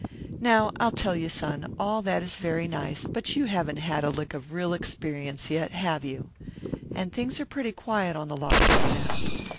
"Now, I'll tell you, son; all that is very nice, but you haven't had a lick of real experience yet, have you? and things are pretty quiet on the lot just now.